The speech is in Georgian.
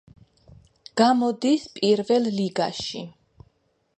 გამოდის პირველ ლიგაში.